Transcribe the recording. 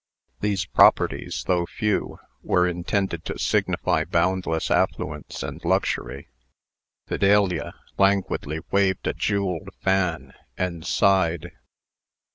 These properties, though few, were intended to signify boundless affluence and luxury. Fidelia languidly waved a jewelled fan, and sighed.